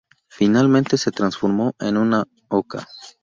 Finalmente se transformó en una oca.